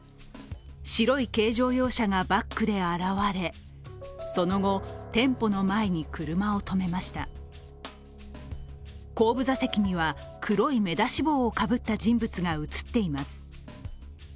白い軽乗用車がバックで現れその後、店舗の前に車を止めました後部座席には、黒い目出し帽をかぶった人物が映っています。